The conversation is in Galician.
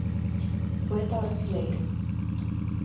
Poeta brasileiro.